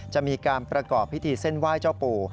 จะมีการประกอบพิธีเส้นไหว้เจ้าปู่